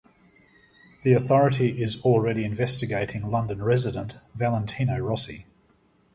The authority is already investigating London resident Valentino Rossi.